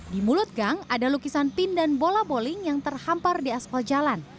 di mulut gang ada lukisan pin dan bola bowling yang terhampar di asfal jalan